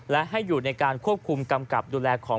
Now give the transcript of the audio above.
และให้อยู่ในการควบคุมกำกับดูแลของ